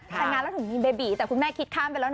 แต่งงานแล้วถึงมีเบบีแต่คุณแม่คิดข้ามไปแล้วนะ